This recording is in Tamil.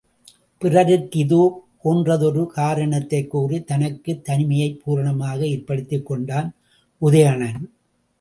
பிறருக்கும் இதே போன்றதொரு காரணத்தைக் கூறித் தனக்குத் தனிமையைப் பூரணமாக ஏற்படுத்திக் கொண்டான் உதயணன்.